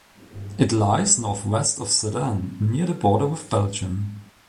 It lies northwest of Sedan, near the border with Belgium.